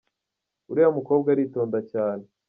Uriya mukobwa aritonda cyane